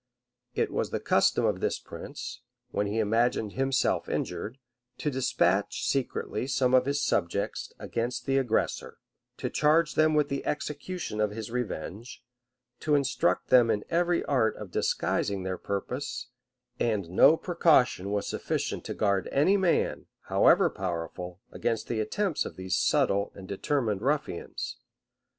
[*] It was the custom of this prince, when he imagined himself injured, to despatch secretly some of his subjects against the aggressor, to charge them with the execution of his revenge, to instruct them in every art of disguising their purpose; and no precaution was sufficient to guard any man, however powerful, against the attempts of these subtle and determined ruffians.